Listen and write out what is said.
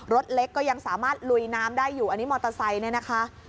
รถเล็กก็ยังสามารถลุยน้ำได้อยู่อันนี้มอเตอร์ไซค์เนี่ยนะคะ